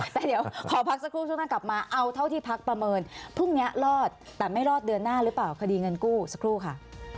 แต่เดี๋ยวขอพักสักครู่ช่วงหน้ากลับมาเอาเท่าที่พักประเมินพรุ่งนี้รอดแต่ไม่รอดเดือนหน้าหรือเปล่าคดีเงินกู้สักครู่ค่ะ